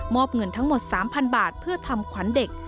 อบเงินทั้งหมด๓๐๐๐บาทเพื่อทำขวัญเด็ก